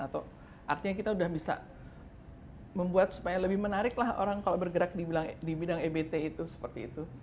atau artinya kita udah bisa membuat supaya lebih menarik lah orang kalau bergerak di bidang ebt itu seperti itu